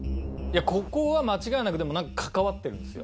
ここは間違いなく何か関わってるんですよ。